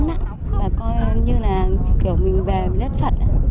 cảm giác mình rất là nhẹ nhàng rất là tĩnh nặng và coi như là kiểu mình về với đất phật